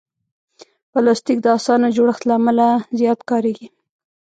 پلاستيک د اسانه جوړښت له امله زیات کارېږي.